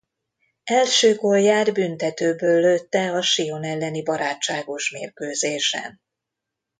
Első gólját büntetőből lőtte a Sion elleni barátságos mérkőzésen.